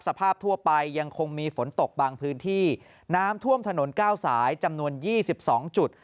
สภาพทั่วไปยังคงมีฝนตกบางพื้นที่น้ำท่วมถนนเก้าสายจำนวนยี่สิบสองจุด